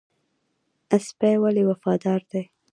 سپی ولې وفادار دی؟